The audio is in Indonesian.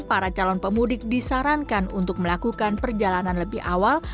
para calon pemudik disarankan untuk melakukan perjalanan lebih awal